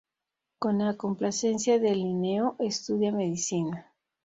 Con la complacencia de Linneo, estudia medicina.